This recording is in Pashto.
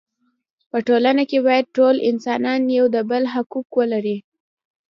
په ټولنه کې باید ټول انسانان یو ډول حقوق ولري.